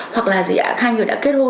hoặc là gì ạ